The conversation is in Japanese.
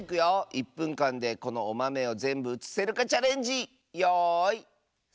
１ぷんかんでこのおまめをぜんぶうつせるかチャレンジよいスタート！